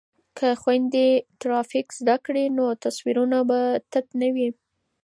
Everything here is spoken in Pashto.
که خویندې ګرافیک زده کړي نو تصویرونه به تت نه وي.